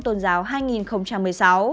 tôn giáo năm hai nghìn một mươi sáu